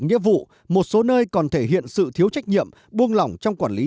nghĩa vụ một số nơi còn thể hiện sự thiếu trách nhiệm buông lỏng trong quản lý